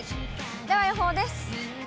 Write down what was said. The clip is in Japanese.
では予報です。